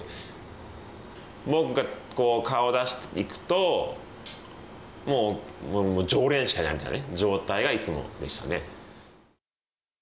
僕がこう顔出しにいくと常連しかいないみたいなね状態がいつもでしたね。